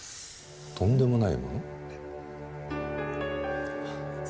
とんでもないもの？